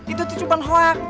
itu tujuan haks